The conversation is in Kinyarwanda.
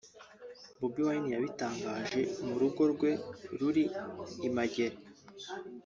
Bobi Wine yabitangaje mu rugo rwe ruri i Magere